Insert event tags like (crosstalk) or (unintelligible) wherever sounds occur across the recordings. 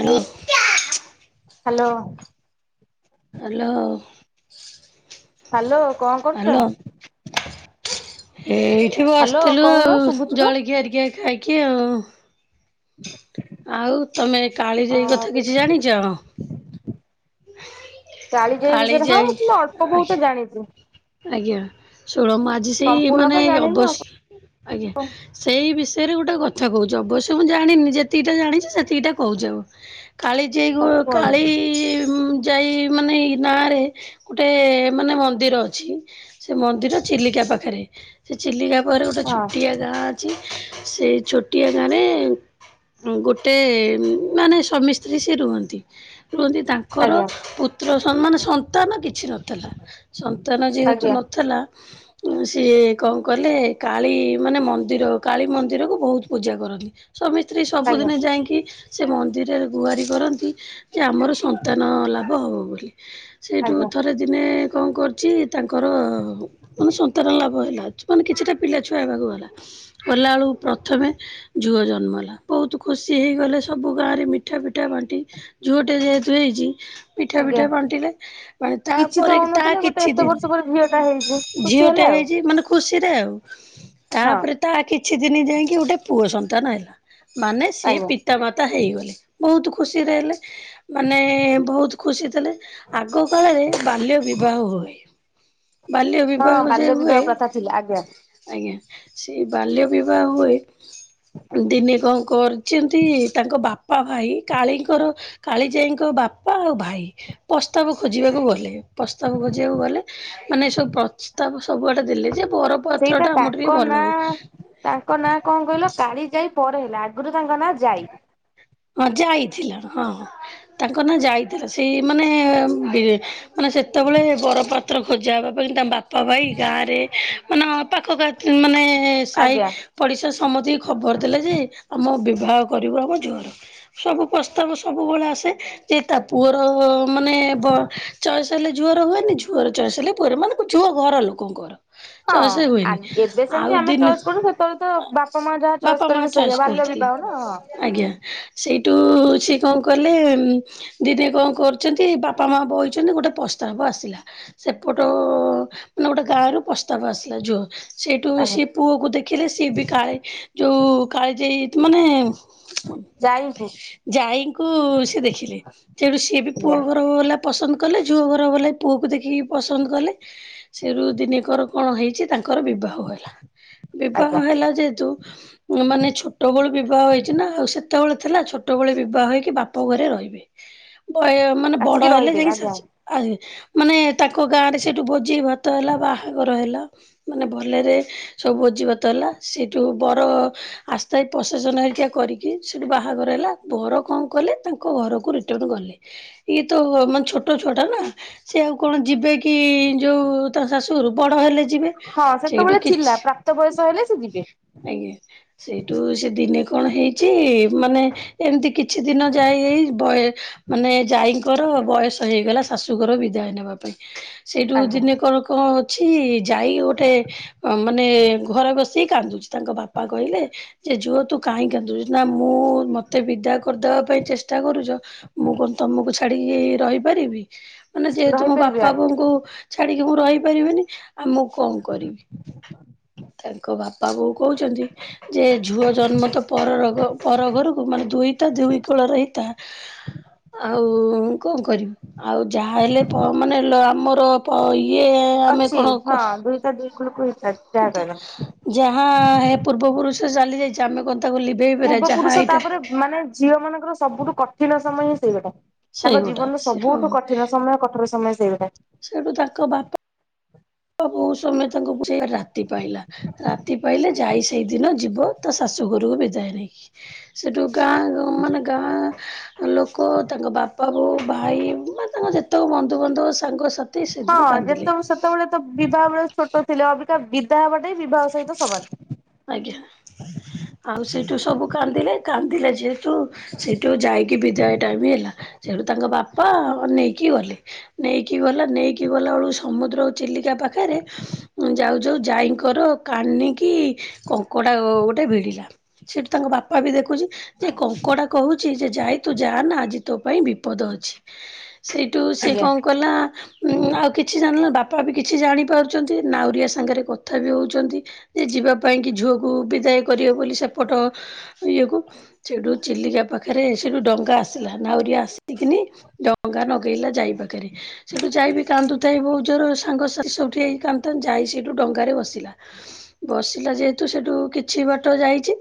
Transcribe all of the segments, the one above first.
Hello hello. Hello. Hello କଣ କରୁଛ? Hello ଏଇଠି ବି ହ୍ୟାଲୋ ବସିଥିଲୁ କହୁନ ଆଉ ଶୁଭୁଛି ପା। ଜଳିଖିଆ ହେରିକା ଖାଇକି ଆଉ ଆଉ ତମେ ଅ କାଳିଜାଇ କଥା କିଛି ଜାଣିଛ? କାଳିଯାଇ ବିଷୟରେ ହଁ ମୁଁ ତମେ ଅଳ୍ପ କାଳିଜାଇ ବହୁତ ଜାଣିଛି? ଆଜ୍ଞା ଷୋଳମ ଆଜି ସେଇ ସମ୍ପୂର୍ଣ୍ଣ ମାନେ ତ ଜାଣିନି ଅବସ୍ ଆଉ ଆଜ୍ଞା ସେଇ ବିଷୟରେ ଗୋଟେ କଥା କହୁଛି ଅବଶ୍ୟ ମୁଁ ଜାଣିନି ଯେତିକିଟା ଜାଣିଛି ସେତିକିଟା କ କହୁଛି ଆଉ କାଳି ଯ ସମ୍ପୂର୍ଣ୍ଣ କାଳି ଯାଇ ମାନେଇ ନାଁ ରେ ଗୋଟେ ମାନେ ମନ୍ଦିର ଅଛି। ସେ ମନ୍ଦିର ଚିଲିକା ପାଖରେ ସେ ଚିଲିକା ଗୋଟେ ହଁ ଛୋଟିଆ ଗାଁ ଅଛି ସେଇ ଛୋଟିଆ ଗାଁରେ ଗୋଟେ ମାନେ ସ୍ୱାମୀ ସ୍ତ୍ରୀ ସେ ରୁହନ୍ତି ରୁହନ୍ତି ତାଙ୍କ କର ଆଜ୍ଞା ପୁତ୍ର ମାନେ ସନ୍ତାନ କିଛି ନଥିଲା। ତା ନ ଯେହେତୁ ଆଜ୍ଞା ନଥିଲା। ସିଏ କଣ କଲେ କାଳୀ ମାନେ ମନ୍ଦିର କାଳୀ ମନ୍ଦିର କୁ ବହୁତ ପୂଜା କରନ୍ତି। ସ୍ୱାମୀ ସ୍ତ୍ରୀ ଆଜ୍ଞା ସବୁଦିନେ ଯାଇକି ସେ ମନ୍ଦିରରେ ଗୁଆରି କରନ୍ତି। ଯେ ଆମର ସନ୍ତାନ ଲାଭ ହେବ ବୋଲି ସେଇଠୁ ଆଜ୍ଞା ଥରେ ଦିନେ କଣ କର କିଛି ତାଙ୍କର ମାନେ ସନ୍ତାନ ଲାଭ ହେଲା ମାନେ କିଛିଟା ପିଲା ଛୁଆ ହେବାକୁ ଗଲା ଗଲାବେଳକୁ ପ୍ରଥମେ ଝୁଅ ଜନ୍ମଲା ବହୁତ ଖୁସି ହେଇଗଲେ ସବୁ ଗାଁରେ ମିଠା ପିଠା ବାଣ୍ଟି ଝୁଅଟେ ଯେହେତୁ ହେଇଛି। ପିଠା ଆଜ୍ଞା। ପିଠା ବାଣ୍ଟିଲେ କିଛି ତ ତାପରେ ତା ହଉନଥିଲେ କିଛି। ଗୋଟେ ଏତେ ଜିଂ ବର୍ଷ ପରେ ଝିଅ ଟା ହେଇଛି ଖୁସି ଝିଅ ହେଲେ ଟେ ଆଉ ହେଇଛି ମାନେ ଖୁସିରେ ଆଉ ହଁ। ତାପରେ ତା କିଛି ଦିନ ଯାଇକି ଗୋଟେ ପୁଅ ସନ୍ତାନ ହେଲା ମାନେ ସିଏ ଆଜ୍ଞା ତିନି ପିତା ମାତା ହେଇଗଲେ ବହୁତ ଖୁସିରେହେଲେ। ମାନେ ବହୁତୁ ଖୁସି ଥିଲେ। ଆଗ କାଳରେ ବାଲ୍ୟ ବିବାହ ହୁଏ। ବାଲ୍ୟ ହଁ ବିଭାହ ଯେ ବାଲ୍ୟ ହୁଏ ବିବାହ ପ୍ରଥା ଥିଲା ଆଜ୍ଞା ସେଇ ବାଲ୍ୟ ବିବାହ ହୁଏ। ଦିନେ କ କରିଛନ୍ତି। ତାଙ୍କ ବାପା ଭାଇ କାଳୀଙ୍କର କାଳିଜାଇଙ୍କ ବାପା ଆଉ ଭାଇ ପ୍ରସ୍ତାବ ଖୋଜିବାକୁ ଗଲେ ପ୍ରସ୍ତାବ ଖୋଜି ଯେଉ ଗଲେ ମାନେ ସବୁ ପ୍ରସ୍ତାବ ସବୁଆଡେ ଦେଲେ ଯେ ବର ପାତ୍ର ସେଇଟା ଟା ଆମର ତାଙ୍କ ଟିକେ ଭଲ ହଉ। ନାଁ ତାଙ୍କ ନାଁ କଣ କହିଲ କାଳି ଯାଇ ପରେ ହେଲା ଆଗରୁ ତାଙ୍କ ନାଁ ଯାଇ। ଅ ଜାଈ ଥିଲ ହଁ। ତାଙ୍କ ନା ଯାଇଥିଲା। ସେଇ ମାନେ ମାନେ ସେତେବେଳେ ବରପାତ ପତ୍ର ଖୋଜା ହେବା ପାଇଁ ତାଙ୍କ ବାପା ପା ଭାଇ ଗାଁ ରେ ମାନେ ପାଖ ଗାଁ ମାନେ ସାଇ ଆଜ୍ଞା ପଡ଼ିଶା ସମତି କୁ ଖବର ଦେଲେ ଯେ ଆମ ବିବାହ କରିବୁ ଆମ ଝିଅର। ସବୁ ପ୍ରସ୍ତାବ ସବୁବେଳେ ଆସେ। ଯେ ତା ପୁଅର ମାନେ ବ ଚଏସେ ହେଲା ଝୁଅର ହୁଏନି ଝୁଅର ଚଏସେ ହେଲେ। ପୁଅ ର ମାନେ ଝୁଅ ଘର ଲୋକଙ୍କର। ହଁ ଚଏସ୍ ହୁଏନି ଆଗେ ଏବେ ଆଉ ସେମିତି ଆମେ ଦିନ ଚଏସ୍ କରୁ। ସେତେବେଳେ ତ ବାପା ମା ଯାହା ବାପା ଚଏସ୍ ମା କରିବେ ସେଇଆ ଚଏସ୍ ବାଲ୍ୟ କରୁଥିଲି ବିବାହ ନା ହଁ ଆଜ୍ଞା। ସେଇଟୁ ସିଏ କ କଲେ। ଦିଦି କ କରୁ ବାପା ମା ବଇଛନ୍ତି ଗୋଟେ ପ୍ରସ୍ତାବ ଆସିଲା। ସେପଟ ଉ ମାନେ ଗୋଟେ ଗାଁ ରୁ ପ୍ରସ୍ତାବ ଆସିଲା ଝୁଅ। ସେଇଟୁ ଆଜ୍ଞା ସିଏ ପୁଅ କୁ ଦେଖିଲେ। ସିଏ ବି କାଳେ ଯୋଉ କାଳିଜାଇ ମାନେ। ଯାଇକୁ। ଯାଇଙ୍କୁ ସେ ଦେଖିଲେ। ତେଣୁ ସିଏ ବି ପୁଅ ଆଜ୍ଞା ଘର ଗଲା। ପସନ୍ଦ କଲେ ଝୁଅ ଘର ବଲା ପୁଅକୁ ଦେଖିକି ପସନ୍ଦ କଲେ। ସେରୁୁ ଦିନକର କଣ ହେଇଛି। ତାଙ୍କର ବିବାହ ହେଲା। ବିବାହ ଆଜ୍ଞା ହେଲା ଯେହେତୁ। ମାନେ ଛୋଟବେେଳୁ ବିବାହ ହେଇଛି ନା ଆଉ ସେ ସେତେବେଳେ ଥିଲା। ଛୋଟବେଳେ ବିବାହ ହେଇକି ବାପ ଘରେ ରହିବେ ବୟ ମାନେ ବଡ ଆସିକି ହେଲେ ରହିବେ ଯାଇକି ଆଜ୍ଞା ଶାଶୁ ଆଜି ମାନେ ତାଙ୍କ ଗାଁ ରେ ସେଠୁ ଭୋଜି ଭାତ ହେଲା ବା ବାହାଘର ହେଲା। ମାନେ ଭଲରେ ସବୁ ଭୋଜିିଭାତ ହେଲା ସେଠୁ ବର ଆସ୍ଥାଇ ପ୍ରସେସନ ହେରିକା କରିକି। ସେଇଠୁ ବାହାଘର ହେଲା ବର କଣ କଲେ ତାଙ୍କ ଘରକୁ ରିଟନ୍ ଗଲେ। ଇଏ ତ ମାନେ ଛୋଟ ଛୁଆ ଟା ନା। ସିଏ ଆଉ କଣ ଯିବେ କି ଯୋଉ ତା ଶାଶୁ ଘରୁ ବଡ ହେଲେ ଯିବେ ସେଇଠୁ କିଛି। ତ ବୟସ ହେଲେ ସେ ଯିବେ। ଆଜ୍ଞା ସେଇଠୁ ସେ ଦିନେ କଣ ହେଇଚି। ମାନେ ଏମତି କିଛି ଦିନ ଯାଇ ଏଇ ବୟେ। ମାନେ ଯାଇଙ୍କର ବୟସ ହେଇଗଲା ଶାଶୁଘର ବିଦାୟ ନେବା ପାଇଁ। ସେଇଠୁ ଆଜ୍ଞା ଦିନେକର କଣ ଅଛି। ଯାଇ ଗୋଟେ ମାନେ ଘରେ ବସିକି କାନ୍ଦୁଛି ତାଙ୍କ ବାପା କହିଲେ ଯେ ଝୁଅ ତୁ। କାହିଁ କାନ୍ଦୁଛୁ ନା ମୁଁ ମତେ ବିଦା କରିଦବା ପାଇଁ ଚେଷ୍ଟା କରୁଚ ମୁଁ କଣ ତମକୁ ଛାଡି କି ରହିପାରିବି ମାନେ ଯେହେତୁ ମୋ ରହିପାରିବେ ବାପା ଆଜ୍ଞା। ବୋଉଙ୍କୁ। ଛାଡିକି ମୁଁ ରହିପାରିବିନି ଆ ମୁଁ କ କରିବି ତାଙ୍କ ବାପା ବୋଉ ତ ଯେ ଯେ ଝୁଅ ଜନ୍ମ ତ ପରର ଘ ପର ଘରୁକୁ ମାନେ ଦୁହିତା ଦୁଇ କୋଳର ର ହିତା। ଆଉ କଣ କରିବି ଆଉ ଯାହା ହେଲେ ପ ମାନେ ଲ ଆମର। ତ ଇଏ ଆମେ ଅଛି କଣ ହଁ କ ଦୁଇତା ଦୁଇ କୁଳକୁ ହିତା ଯାହା କଥା। କହିଲ। ଯାହା ହେ ପୂର୍ବ ପୁରୁଷ ଚାଲି ଯାଇଚି ଆମେ କଣ ତାକୁ ଲିଭେଇ ପାରିବା ପୂର୍ବ ଯାହା ପୁରୁଷ ଏଇଟା। ତାପରେ ମାନେ ଝିଅ ମାନଙ୍କର ସବୁଠୁ କଠିନ ସମୟ ହିଁ ସେଇଗୋଟା। ସେଇ ତାଙ୍କ ଗୋଟା ଜୀବନର ସବୁଠୁ କଠିନ ସମୟ କଠୋର ସମୟ ସେଇଗୋଟା। ସେଠୁ ତାଙ୍କ ବା ପା ବହୁତ୍ ସମୟ ତାଙ୍କୁ ବୁଝେଇ ରାତି ପାହିଲା ରାତି ପାହିଲେ ଯାଇ। ସେଇଦିନ ଯିବ ତା ଶାଶୁଘରୁକୁ ବିଦାୟ ନେଇକି। ସେଠୁ ଗାଁ ଗ ମାନେ ଗାଁ ଲୋକ ତାଙ୍କ ବା ପା ବୋଉ ଭାଇ ମାନେ ତାଙ୍କ ଯେତେକ ବନ୍ଧୁବାନ୍ଧବ ସାଙ୍ଗସା ହଁ ଯେତେବଳେ ସେତବଳେ ତ ବିବାହ ବେଳେ ଛୋଟ ଥିଲେ ଅବିକା ବିଦା ହେବାଟାହି ବିବାହ ସହିତ ସମାନ୍। ଆଜ୍ଞା ଆଉ ସେଇଠୁ ସବୁ କାନ୍ଦିଲେ କାନ୍ଦିଲେ ଯେହେତୁ। ସେଇଠୁ ଯାଇକି ବିଦାୟ ଟାଇମି ହେଲା ସେଠୁ ତାଙ୍କ ବାପା ଅ ନେଇକି ଗଲେ। ନେଇକି ଗଲା ନେଇକି ଗଲା ବେଳୁ ସମୁଦ୍ର ଚିଲିକା ପାଖେରେ। ଯାଉ ଯାଉ ଯାଇଙ୍କର କାନିକି କଙ୍କଡା ଗୋ ଗୋଟେ ଭିଡିଲା। ସେଠି ତାଙ୍କ ବାପା ବି ଦେଖୁଚି। ଯେ କଙ୍କଡା କହୁଚି ଯେ ଯାଇ ତୁ ଯା ନା ଆଜି ତୋ ପାଇଁ ବିପଦ ଅଛି। ସେଇଠୁ ସିଏ ଆଜ୍ଞା କଣ କଲା। ଆଉ କିଛି ଜାଣିଲା ବାପା ବି କିଛି ଜାଣିପାରୁଛନ୍ତି ନାଉରିଆ ସାଙ୍ଗରେ କଥା ବି ହଉଛନ୍ତି। ଯେ ଯିବା ପାଇଁ କି ଝୁଅକୁ ବିଦାୟ କରିବ ବୋଲି ସେପଟ ଇଏକୁ। ସେଇଠୁ ଚିଲିକା ପାଖରେ ସେଇଠୁ ଡଙ୍ଗା ଆସିଲା ନାଉରିଆ ଆସିକିନି। ଡଙ୍ଗା ନଗେଇଲା ଯାଇ ପାଖେରେ। ସେଠୁ ଯାଇ ବିି କାନ୍ଦୁଥାଏ ବହୁତ୍ ଜୋର ସାଙ୍ଗସାଥି ସବୁ ଠିଆହେଇକି କାନ୍ଦଥାନ୍ତି ଯାଇ ସେଠୁ ଡଙ୍ଗାରେ ବସିଲା। ବସିଲା ଯେହେତୁ ସେଠୁ କିଛି ବାଟ ଯାଇଚି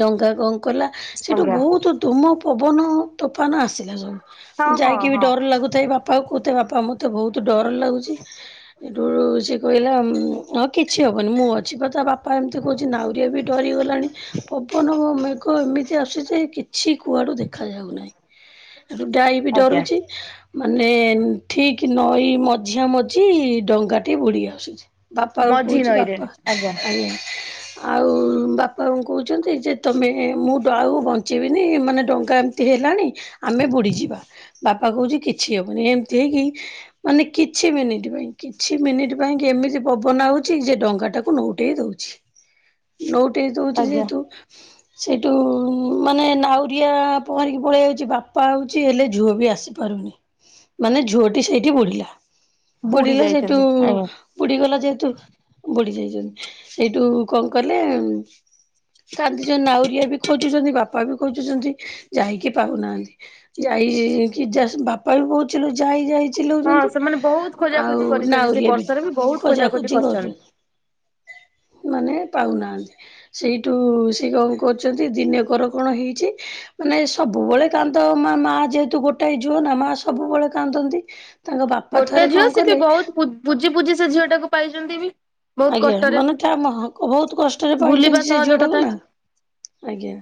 ଡଙ୍ଗା କଣ କଲା। ସେଠୁ ଆଜ୍ଞା ବହୁତୁ ଧୋମ ପବନ ତୋଫାନ ଆସିଲା ହଁ ସବୁ। ହଁ ଯାଇକି ବି ହଁ ଡର୍ ଲାଗୁଥାଏ ବାପା କୁ କହୁଥାଏ ବାପା ମତେ ବହୁତୁ ଡର ଲାଗୁଚି। ହେଠୁ ସିଏ କହିଲା ହଁ କିଛି ହବନି ମୁଁ ଅ ଛିବା ତା ବାପା ଏମତି କହୁଛି ନାଉରିଆ ବି ଡରିଗଲାଣି। ପବନ ମେଘ ଏମିତି ଆସୁଚି କିଛି କୁଆଡୁ ଦେଖା ଯାଉନାହିଁ। ଡାଈ ବି ଆଜ୍ଞା ଡରୁଛି। ମାନେ ଠିକ୍ ନଈ ମଝିଆ ମଝି ଡଙ୍ଗାଟି ବୁଡ଼ି ଆସୁଛି। ବାପାକୁ ଝି କହୁଛି ନଈରେ ବାପା ଆଜ୍ଞା ଆଞା। ଆଉ ବାପାଙ୍କୁ କହୁଛନ୍ତି ଯେ ତମେ ମୁଁ ଡ ଆଉକୁ ବଞ୍ଚେଇବିନି ମାନେ ଡଙ୍ଗା ଏମତି ଏ ହେଲାଣି ଆମେ ବୁଡ଼ିଯିବା ବାପା କହୁଛି କିଛି ହବନି ଏମିତି ହେଇକି ମାନେ କିଛି ମିନିଟ ପାଇଁ କିଛି ମିନିଟ ପାଇଁ କି ଏମିତି ପବନ ହଉଛି ଯେ ଡଙ୍ଗା ଟା ନଉଟେ ଦଉଛି ନଉଟେ ଦଉଛି ଆଜ୍ଞା ଯେହେତୁ ସେଇଠୁ ମାନେ ନାଉରିଆ ପହଁରିକି ପଳେଇଯାଉଛି ବାପା ହେଉଛି ହେଲେ ଝୁଅ ବି ଆସିପାରୁନି। ମାନେ ଝୁଅଟି ସେଇଠି ବୁଡିଲା ବୁଡି ବୁଡିଲା ସେଇଠୁ ଯାଇଛନ୍ତି ଆଜ୍ଞା ବୁଢ ଗଲା ଯେହେତୁ ବୁଢି ଯାଇଛନ୍ତି ସେଇଠୁ କଣ କଲେ କାନ୍ତି ଯେ ନାଉରିଆ ବି ଖୋଜୁଛନ୍ତି ବାପା ବି ଖୋଜୁଛନ୍ତି ଯାଇକି ପାଉନାହାନ୍ତି। ଯାଇ କି ବାପା ବି କହୁ ଯାଇ ଯାଇ। (unintelligible) ହଁ ଚିଲଉଛନ୍ତି ସେମାନେ ବହୁତ ଖୋଜାଖୋଜି ଆଉ କରିଛନ୍ତି ସେ ନାଉରିଆ ବି ବର୍ଷରେ ବହୁତ ଖୋଜା ଖୋଜାଖୋଜି ଖୋଜି କରିଛନ୍ତି। କରୁଛନ୍ତି। ମାନେ ପାଉନାହାନ୍ତି। ସେଇଠୁ ସେ କଣ କରୁଛନ୍ତି ଦିନେକର କଣ ହେଇଛି ମାନେ ସବୁବେଳେ କାନ୍ଦ ମା ମା ଯେହେତୁ ଗୋଟାଏ ଝୁଅ ନା ମା ସବୁବେଳେ କାନ୍ଦନ୍ତି। ତାଙ୍କ ବାପା ଗୋଟେ ଥରେ କଣ ଝିଅ ସେ ବି କଲେ ବହୁତ ପୁ ପୁଜି ପୁଜି ସେ ଝିଅ ଟାକୁ ପାଇଛନ୍ତି ବି ବହୁତ ଆଜ୍ଞା କଷ୍ଟରେ। (unintelligible) ବହୁତ କଷ୍ଟରେ ଭୁଲିବା ପାଇଛନ୍ତି ସେ ଝିଅ ସହଜ ଟା କା କୁ କଥା ନା ଆଜ୍ଞା।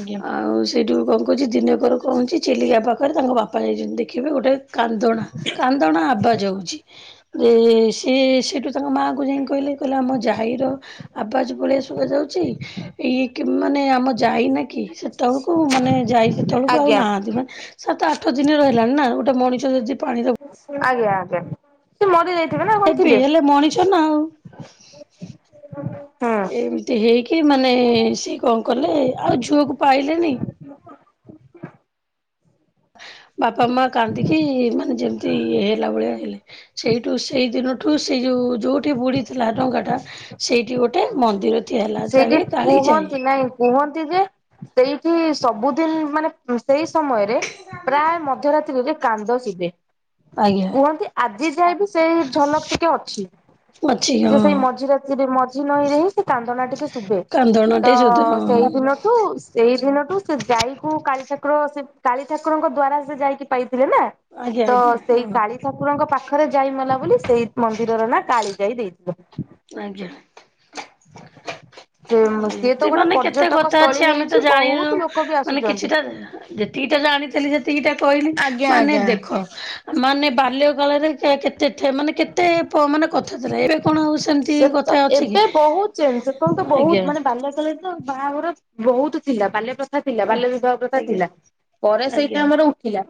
ଆଜ୍ଞା ଆଉ ସେଇଠୁ କଣ କହୁଛି ଦିନକର କହୁଛି ଚିଲିକା ପାଖରେ ତାଙ୍କ ବାପା ଯାଇଛନ୍ତି ଦେଖିବେ ଗୋଟେ କାନ୍ଦଣା କାନ୍ଦଣା ଆବାଜ ହେଉଛି। ଯେ ସେ ସେଠୁ ତାଙ୍କ ମାଆ କୁ ଯାଇ କହିଲେ କହିଲେ ଆମ ଯା ଇର ଆବାଜ ଭଳିଆ ଶୁବା ଯାଉଛି। ଇଏ କି ମାନେ ଆମ ଯାଇନା କି ସେତେବେଳକୁ ମାନେ ଯାଇ ସେତେବେଳକୁ ଆଉ ଆଜ୍ଞା ନା େ (unintelligible) ସାତ ଆଠ ଦିନ ରହିଲାଣି ନା ଗୋଟେ ମଣିଷ ଯଦି ପାଣିରେ ଆଜ୍ଞା ଆଜ୍ଞା (unintelligible) ସେ ମରି ଯାଇଥିବ ନା। କଣ ଦେବି ଥିବେ ହେଲେ ମଣିଷ ନା ଆଉ ହୁଁ ଏତି ଏତେ ହେଇକି ମାନେ ସିଏ କଣ କଲେ ଆଉ ଝୁଅକୁ ପାଇଲେନି। ବାପା ମା କାନ୍ଦିକି ଇ ମାନେ ଯେମିତି ଇଏ ହେଲା ଭଳିଆ ହେଲେ। ସେଇଠୁ ସେଇ ଦିନଠୁ ସେଇ ଯୋଉ ଯୋଉଠି ବୁଡି ଥିଲା ଡଙ୍ଗା ଟା ସେଇଠି ଗୋଟେ ମନ୍ଦିର ଠିଆହେଲା। ସେଇଠି କୁହନ୍ତି ନାଇଁ କୁହନ୍ତି ଯେ ସେଇଠି ସବୁଦିନ ମାନେ ସେଇ ସମୟରେ ପ୍ରାୟ ମଧ୍ୟରାତ୍ରିରେ କାନ୍ଦ ଶୁଭେ। ଆଜ୍ଞା କୁହନ୍ତି ଆଜି ଯାଏ ବିି ସେଇ ଝଲକ ଟିକେ ଅଛି। ଅଛି ସେ ହଁ। ସେଇ ମଝି ରାତିରେ ମଝି ନଈରେ ହିଁ ସେ କାନ୍ଦନା ଟିକ ଶୁଭେ କାନ୍ଦଣାଟେ ତ ସୁଧ ହଁ ସେଇଦିନ ଠୁ ସେଇ ଦିନଠୁ ସେ ଯାଇକୁ କାଳୀ ଠାକୁର ସେ କାଳୀ ଠାକୁରଙ୍କ ଦ୍ଵାରା ସେ ଯାଇକି ପାଇଥିଲେ ନା। ଆଜ୍ଞା ତ ଆଜ୍ଞା ସେଇ ହଁ କାଳିଠା ଠାକୁରଙ୍କ ପାଖରେ ଯାଇ ମଲା ବୋଲି ସେଇ ମନ୍ଦିରର ନା କାଳି ଯାଇ ଦେଇଥିଲେ। ଆଜ୍ଞା। ସେ (unintelligible) ସିଏ ଏମିତି ତ ଗୋଟେ ମାନେ କେତେ ପର୍ଯ୍ୟଟକ କଥା ଅଛି ସ୍ଥଳୀ ଆମେ ହେଇଛି ତ ଜାଣିନୁ ବହୁତ ଲୋକ ବି ମାନେ କିଛିଟା ଆସୁଛନ୍ତି। ଯେତିକିଟା ଜାଣିଥିଲି ସେତିକିଟା କହିଲି ମାନେ ଦେଖ ମାନେ ବାଲ୍ୟ କାଳରେ କେତେ ଥେ ମାନେ କେତେ ପ ମାନେ କଥା ଥିଲା ଏବେ କଣ ଆଉ ସେମିତି ସେ ତ କଥା ଅଛି କି ଏବେ ବହୁତ ସେତେବେଳେ ତ ଆଜ୍ଞା ବହୁତ ମାନେ ବାଲ୍ୟ କାଳରେ ତ ବାହାଘର ବହୁତ ଥିଲା ବାଲ୍ୟ (unintelligible) ଥା ଥିଲା ବାଲ୍ୟ ବିବାହ ପ୍ରଥା ଆଜ୍ଞା ଥିଲା ପରେ ଆଜ୍ଞା ସେଇଟା ଆମର ଉଠିଲା।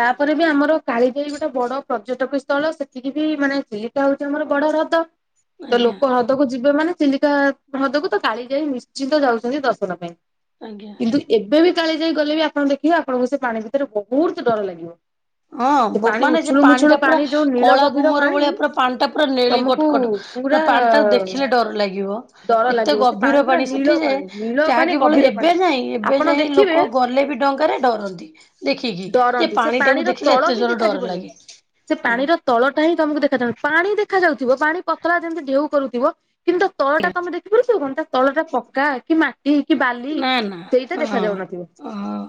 ତାପରେ ବି ଆମର କାଳିଜାଇ ଗୋଟେ ବଡ ପର୍ଯ୍ୟଟକ ସ୍ଥଳ ସେଠିକି ବି ମାନେ ଚିଲିକା ହଉଛି ଆମର ବଡ ହ୍ରଦ। ତ ଆଜ୍ଞା ଲୋକ ହ୍ରଦକୁ ଯିବେ ମାନେ ଚିଲିକା ହ୍ରଦକୁ ତ କାଳି ଯାଇ ନିଶ୍ଚିନ୍ତ ଯାଉଛନ୍ତି ଦର୍ଶନ ପାଇଁ। ଆଜ୍ଞା। କିନ୍ତୁ ଏବେ ବି କାଳିଜାଇ ଗଲେ ବି ଆପଣ ଦେଖିବେ ଆପଣଙ୍କୁ ସେ ପାଣି ଭିତରେ ବହୁତ ଡର ଲାଗିବ। ହଁ ସେ ବୋ ପାଣି ମାନେ ସେ ଉଛୁଳୁ ପାଣି ମୁଛୁଳୁ ଟା ପୁରା ଯୋଉ ନୀଳ କଳା ଗଭୀର ଗୁମର ଭଳିଆ ପୁରା ପାଣି ଟା ପୁରା ନେଳି ତମକୁ କଟକଟ। ନା ପୁରା ପାଣି ଟାକୁ ଦେଖିଲେ ଡର ଲାଗିବ ଡର ଏତେ ଲାଗିବ ସେ ଗଭୀର ପୁରା ପାଣି ସେଠି ନୀଳ ଯେ ପାଣି ନୀଳ ଯାହା ପାଣି କେବଳ ଗଭୀର ଏ ପାଣି। ଏବେଯାଏଁ ଆପଣ ଏବେଯାଏଁ ଦେଖିବେ ଲୋକ ଗଲେବି ଡଙ୍ଗାରେ ଡରନ୍ତି ଦେଖିକି ଯେ ଡରନ୍ତି ସେ ପାଣିଟାକୁ ପାଣିର ଦେ ତଳ ହିଁ ଦେଖାଯିବନି ସେ ପାଣିର ଆଜ୍ଞା ତଳଟା ହିଁ ତମକୁ ଦେଖାଯାଉନି ପାଣି ଦେଖାଯାଉଥିବ ପାଣି ପତଳା ଯେମିତି ଢେ଼ଉ କରୁଥିବ କିନ୍ତୁ ତଳଟା ତମେ ଦେ (unintelligible) ତା ତଳ ଟା ପକା କି ମା ଟି କି ବାଲି ନା ନା ସେଇଟା ହଁ। ଦେଖାଯାଉନଥିବ ହଁ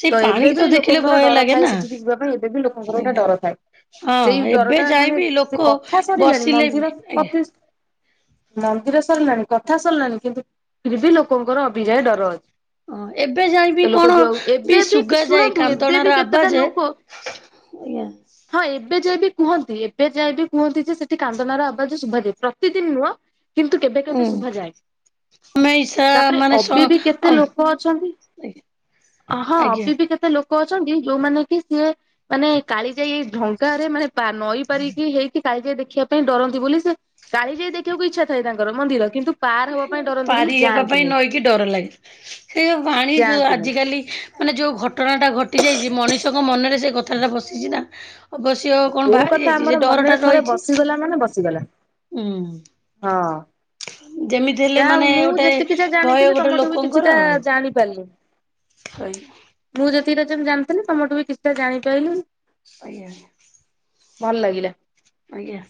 ସେଇ ତ ଏବେ ପାଣିକି ବି ଦେଖିଲେ ଭୟ ଲୋକଙ୍କର ଡର ଲାଗେ ଥାଏ ନା। ସେଠି ଯିବା ପାଇଁ ଏବେ ବି ଲୋକଙ୍କର ଗୋଟା ଆଜ୍ଞା ଡର ଥାଏ। ହଁ ସେଇ ଡର ଏବେ ଟା ଯାଇ ମାନେ ବିି ଲୋକ ସେ କଥା ସରିଲାଣି ବସିଲେ ବି ମନ୍ଦିର ଆଜ୍ଞା। ପଚି ମନ୍ଦିର ସରିଲାଣି କଥା ସରିଲାଣି କିନ୍ତୁ ଫିର ବି ଲୋକଙ୍କର ଅଭିଯାଏ ଡର ଅଛି। ହଁ ଏବେ ଯାଇବି ଲୋକ କଣ ଯୋଉ ବି ଏବେ ସୁଗା ଯାଏ ଶୁଣନ୍ତୁ ଏବେ ବି କାନ୍ଦଣାର କେତେଟା ଆବାଜେ? ଲୋକ ଆଜ୍ଞା। ହଁ ଏବେ ଯାଏ ବି କୁହନ୍ତି ଏବେ ଯାଇଏ ବିି କୁହନ୍ତି ଯେ ସେଠି କାନ୍ଦଣାର ଆ ବାଜ ଶୁଭାଯାଏ ପ୍ରତିଦିନ ନୁହଁ କିନ୍ତୁ କେବେ କେବେ ଶୁଭାଯାଏ ଆମେ ଇସା ତାପରେ ମାନେ ସ ଅବି ବି ଅ କେତେ ଲୋକ ଅଛନ୍ତି ହଁ ଅ ଆଜ୍ଞା ବି ବି କେତ ଏତେ ଲୋକ ଅଛନ୍ତି ଯୋଉମାନେ କି ସିଏ ମାନେ କାଳି ଯାଇ ଏଇ ଢଙ୍ଗାରେ ମାନେ ପା ନଈ ପାରିକି ହେଇକି କାଳିଜାଇ ଦେଖିବା ପାଇଁ ଡର ନ୍ତି ବୋଲି ସେ କାଳି ଯାଇ ଦେଖିବାକୁ ଇଚ୍ଛା ଥାଏ ତାଙ୍କର ମନ୍ଦିର କିନ୍ତୁ ପାର ହବା ପାଇଁ ଡରନ୍ତି ବୋଲି ପାରି ହେବା ପାଇଁ ଯାଆନ୍ତିନି ନଈକି ଡର ଲାଗେ। ସେଇଯୋଇ ପାଣୀ ଯୋଉ ଯାଆନ୍ତିନି ଆଜିକାଲି ମାନେ ଯୋଉ ଘଟଣା ଟା ଘଟି ଯାଇଛି ମଣିଷ ଙ୍କ ମନରେ ସେ କଥାଟା ବସିଛି ନା। ଅବଶ୍ୟ କଣ ଯୋଉ ଭାଆରି କଥା ଯାଇଛି ଆମର ସେ ଡର ମନରେ ଟା ଥରେ ରହିଛି ବସିଗଲା ମାନେ ବସିଗଲା ଉଁ। ହଁ। ହେଲେ ଯାଆ ହଉ ମାନେ ମୁଁ ଗୋଟେ ଯେତିକିଜା ଭୟ ଜାଣିଥିଲି ଗୋଟେ ତମଠୁ ବି ଲୋକଙ୍କର କିଛିଟା ଆଉ ଜାଣିପାରିଲି। (unintelligible) ମୁଁ ଯେତିକି ଟା ଜାଣିଥିଲି ତମଠୁ ବି କିଛିଟା ଜାଣିପାରିଲି। ଆଜ୍ଞା। ଭଲ ଲାଗିଲା। ଆଜ୍ଞା।